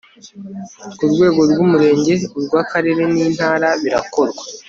ku rwego rw 'umurenge urw'akarere n' intara birakorwa